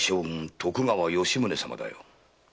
徳川吉宗様だよ。